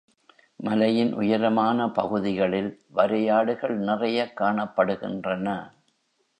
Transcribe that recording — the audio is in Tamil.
மலையின் உயரமான பகுதிகளில் வரையாடுகள் நிறையக் காணப்படுகின்றன.